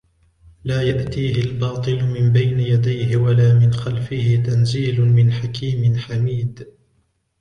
لَا يَأْتِيهِ الْبَاطِلُ مِنْ بَيْنِ يَدَيْهِ وَلَا مِنْ خَلْفِهِ تَنْزِيلٌ مِنْ حَكِيمٍ حَمِيدٍ